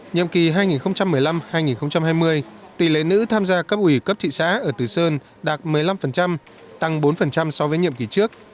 nhiệm kỳ hai nghìn một mươi năm hai nghìn hai mươi tỷ lệ nữ tham gia cấp ủy cấp thị xã ở từ sơn đạt một mươi năm tăng bốn so với nhiệm kỳ trước